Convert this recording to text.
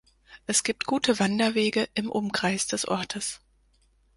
Es gibt gute Wanderwege im Umkreis des Ortes.